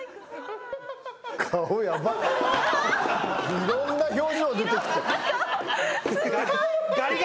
いろんな表情出てきて。